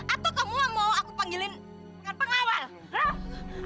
atau kamu mau aku panggilin pengawal